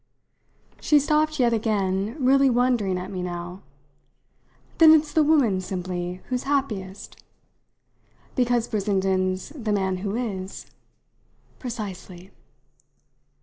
She stopped yet again, really wondering at me now. "Then it's the woman, simply, who's happiest?" "Because Brissenden's the man who is? Precisely!"